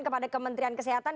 kepada kementerian kesehatan